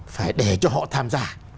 phải để cho họ tham gia